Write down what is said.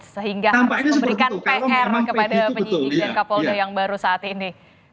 sehingga harus memberikan pr kepada penyidik dan kapoldo yang baru saat ini